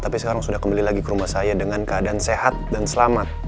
tapi sekarang sudah kembali lagi ke rumah saya dengan keadaan sehat dan selamat